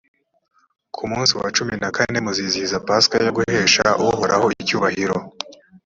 ku munsi wa cumi na kane muzizihiza pasika yo guhesha uhoraho icyubahiro.